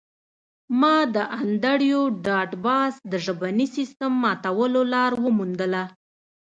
ما د انډریو ډاټ باس د ژبني سیستم ماتولو لار وموندله